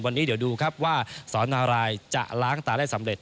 วันนี้เดี๋ยวดูครับว่าสอนนารายจะล้างตาได้สำเร็